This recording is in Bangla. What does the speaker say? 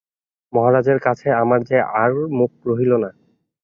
মহারাজের কাছে আমার যে আর মুখ রহিল না!